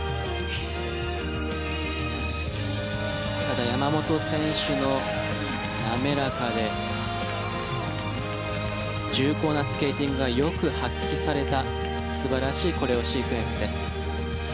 ただ、山本選手の滑らかで重厚なスケーティングがよく発揮された、素晴らしいコレオシークエンスです。